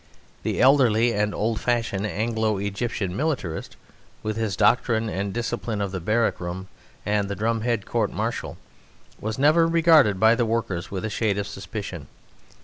The elderly and old fashioned Anglo Egyptian militarist, with his doctrine and discipline of the barrack room and the drumhead court martial, was never regarded by the workers with a shade of suspicion.